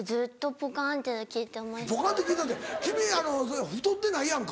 「ポカンって聞いてた」って君太ってないやんか。